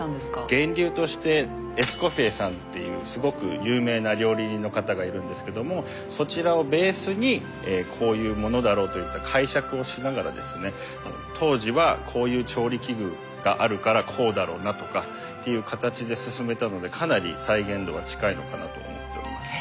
源流としてエスコフィエさんっていうすごく有名な料理人の方がいるんですけどもそちらをベースにこういうものだろうといった解釈をしながらですね当時はこういう調理器具があるからこうだろうなとかっていう形で進めたのでかなり再現度は近いのかなと思っております。